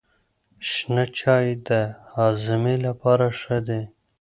شنه چای د هاضمې لپاره ښه دی.